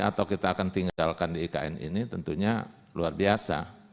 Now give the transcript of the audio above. atau kita akan tinggalkan di ikn ini tentunya luar biasa